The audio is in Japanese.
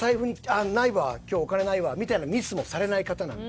あっないわ今日お金ないわみたいなミスもされない方なんで。